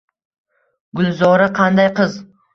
Gulzora qanday qiz